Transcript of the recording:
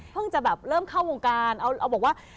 จะแบบเริ่มเข้าวงการเอาบอกว่า